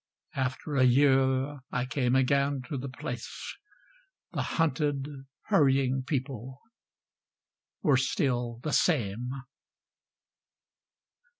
After a year I came again to the place The hunted hurrying people were still the same....